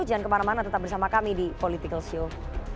jangan kemana mana tetap bersama kami di political show